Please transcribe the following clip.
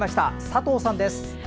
佐藤さんです。